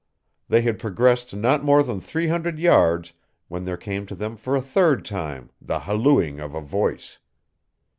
They had progressed not more than three hundred yards when there came to them for a third time the hallooing of a voice.